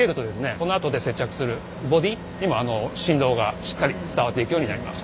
このあとで接着するボディーにも振動がしっかり伝わっていくようになります。